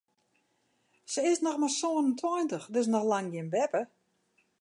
Se is noch mar sân en tweintich, dus noch lang gjin beppe.